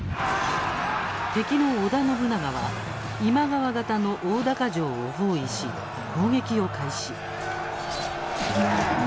敵の織田信長は今川方の大高城を包囲し攻撃を開始。